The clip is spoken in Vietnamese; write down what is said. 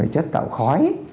chất tạo khói